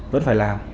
vẫn phải làm